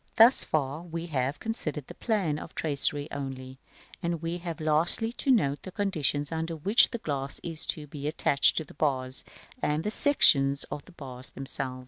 § XVII. Thus far we have considered the plan of the tracery only: we have lastly to note the conditions under which the glass is to be attached to the bars; and the sections of the bars themselves.